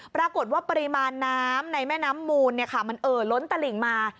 ปริมาณน้ำในแม่น้ำมูลมันเอ่อล้นตลิ่งมา